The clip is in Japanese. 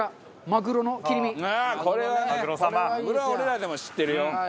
マグロは俺らでも知ってるよ。